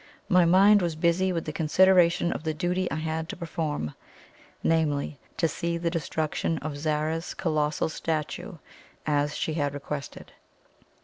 My mind was busy with the consideration of the duty I had to perform namely, to see the destruction of Zara's colossal statue, as she had requested.